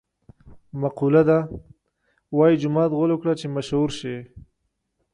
مقوله ده: وايي جومات غول وکړه چې مشهور شې.